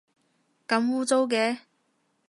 咁污糟嘅